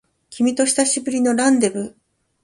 君と久しぶりのランデブー